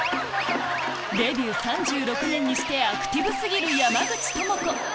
デビュー３６年にしてアクティブ過ぎる山口智子